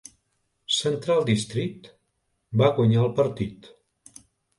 Central District va guanyar el partit.